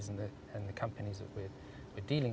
dan perusahaan yang kita hadapi